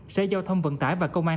xe giao thông vận tải và công an